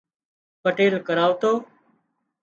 پٽيل ڪرواتو